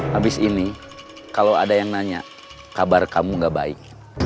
habis ini kalau ada yang nanya kabar kamu gak baik